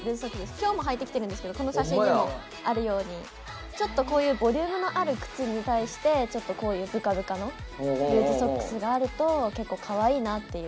きょうもはいてきてるんですけどこの写真にあるようにボリュームのある靴に対してちょっとこういう、ぶかぶかのルーズソックスがあると結構、かわいいなっていう。